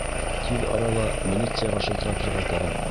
— Тиҙ арала милицияға шылтыратырға кәрәк.